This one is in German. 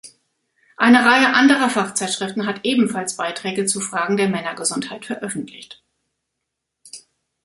Eine Reihe anderer Fachzeitschriften hat ebenfalls Beiträge zu Fragen der Männergesundheit veröffentlicht.